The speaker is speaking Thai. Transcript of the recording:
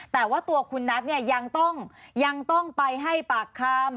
แต่ว่าตัวคุณนัทเนี่ยยังต้องไปให้ปากคำ